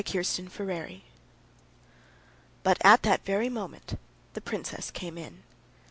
Chapter 14 But at that very moment the princess came in.